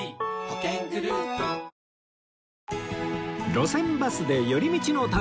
『路線バスで寄り道の旅』